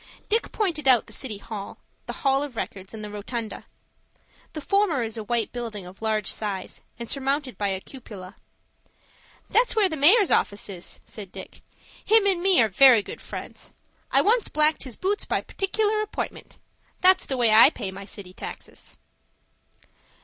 Dick pointed out the City Hall, the Hall of Records, and the Rotunda. The former is a white building of large size, and surmounted by a cupola. "That's where the mayor's office is," said Dick. "Him and me are very good friends. I once blacked his boots by partic'lar appointment. That's the way I pay my city taxes."